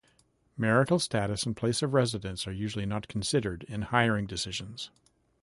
Marital status and place of residence are usually not considered in hiring decisions.